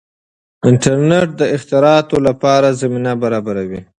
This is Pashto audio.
انټرنیټ د اختراعاتو لپاره زمینه برابروي.